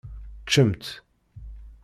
Ččemt.